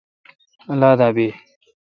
اللہ دا بیی۔